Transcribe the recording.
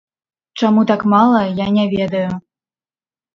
Чаму так мала, я не ведаю.